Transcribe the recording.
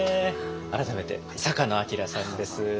改めて坂野晶さんです。